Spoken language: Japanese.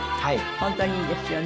本当にいいですよね。